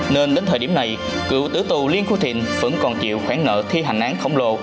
nên đến thời điểm này cựu tử tù liên khu thịnh vẫn còn chịu khoản nợ thi hành án khổng lồ